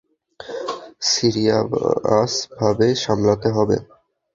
সিরিয়াসভাবে সামলাতে হবে।